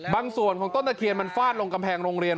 บางส่วนของต้นตะเคียนมันฟาดลงกำแพงโรงเรียน